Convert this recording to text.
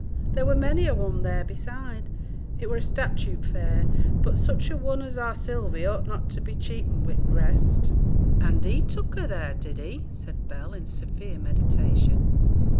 There were many a one there beside, it were statute fair; but such a one as our Sylvie ought not to be cheapened wi' t' rest.' 'And he took her there, did he?' said Bell, in severe meditation.